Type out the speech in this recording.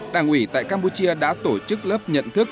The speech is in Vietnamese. đảng ủy tại campuchia đã tổ chức lớp nhận thức